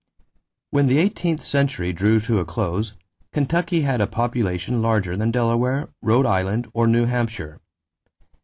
= When the eighteenth century drew to a close, Kentucky had a population larger than Delaware, Rhode Island, or New Hampshire.